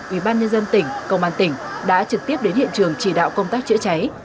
ủy ban nhân dân tỉnh công an tỉnh đã trực tiếp đến hiện trường chỉ đạo công tác chữa cháy